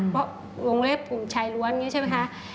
เพราะวงเล็บกลุ่มชายล้วนอย่างนี้ใช่ไหมคะ